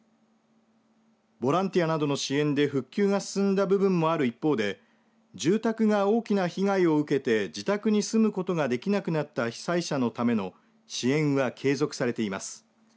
ボランティアなどの支援で復旧が進んだ部分もある一方で住宅が大きな被害を受けて自宅に住むことができなくなった被災者のための支援は継続されています。